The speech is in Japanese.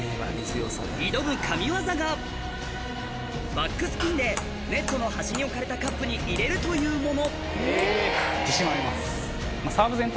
バックスピンでネットの端に置かれたカップに入れるというもの